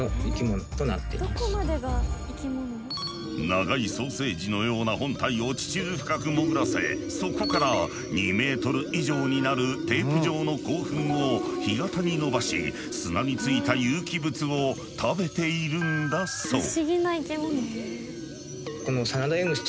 長いソーセージのような本体を地中深く潜らせそこから２メートル以上になるテープ状の「口吻」を干潟に伸ばし砂についた有機物を食べているんだそう。